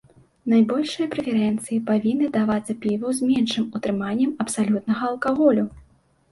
Найбольшыя прэферэнцыі павінны давацца піву з меншым утрыманнем абсалютнага алкаголю.